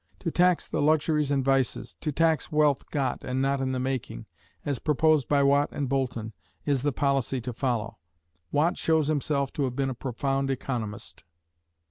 To tax the luxuries and vices, to tax wealth got and not in the making, as proposed by Watt and Boulton, is the policy to follow. Watt shows himself to have been a profound economist.